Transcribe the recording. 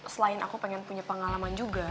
selain aku pengen punya pengalaman juga